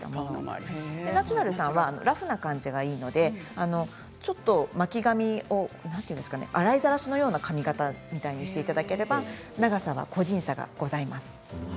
ナチュラルさんはラフな感じがいいのでちょっと巻き髪を洗いざらしのような髪形にしていただければ長さは個人差がございます。